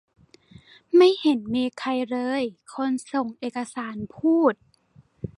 ไม่เห็นมีใครเลย คนส่งเอกสารพูด